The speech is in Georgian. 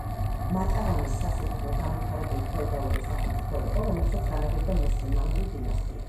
მატარამის სასულთნო განვითარებული ფეოდალური სახელმწიფო იყო, რომელსაც განაგებდა მუსლიმანური დინასტია.